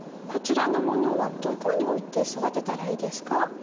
こちらのものはどこに置いて育てたらいいですか？